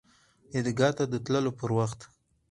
عیدګاه ته د تللو پر وخت